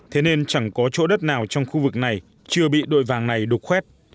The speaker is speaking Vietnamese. thế nên chẳng có chỗ đất nào trong khu vực này chưa bị đội vàng này đục khoét